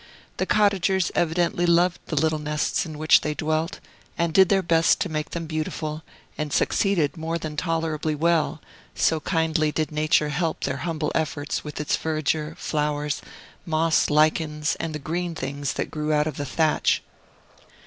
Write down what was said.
The cottagers evidently loved the little nests in which they dwelt, and did their best to make them beautiful, and succeeded more than tolerably well, so kindly did nature help their humble efforts with its verdure, flowers, moss, lichens, and the green things that grew out of the thatch.